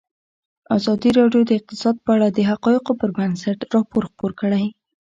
ازادي راډیو د اقتصاد په اړه د حقایقو پر بنسټ راپور خپور کړی.